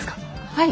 はい。